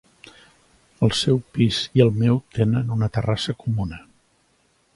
El seu pis i el meu tenen una terrassa comuna.